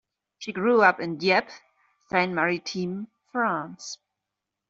She grew up in Dieppe, Seine-Maritime, France.